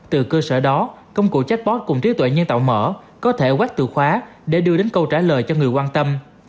từ cơ sở đó công cụ chatbot cùng trí tuệ nhân tạo mở có thể quách từ khóa để đưa đến câu trả lời cho người quan tâm